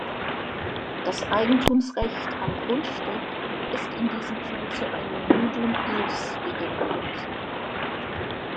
Das Eigentumsrecht am Grundstück ist in diesem Fall zu einem nudum ius „degeneriert“.